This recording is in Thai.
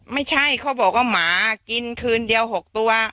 ไม่ใช่เขาบอกว่าหมากินคืนเดียว๖ตัว